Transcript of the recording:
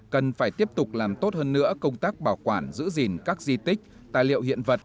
cần phải tiếp tục làm tốt hơn nữa công tác bảo quản giữ gìn các di tích tài liệu hiện vật